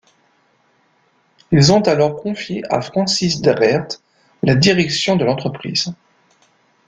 Ils ont alors confié à Francis Deraedt la direction de l'entreprise.